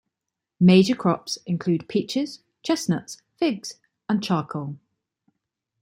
Major crops include peaches, chestnuts, figs, and charcoal.